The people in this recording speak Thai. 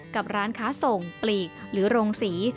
กับร้านค้าส่งปลีกหรือโรงศรี